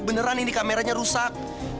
beneran ini kameranya rusak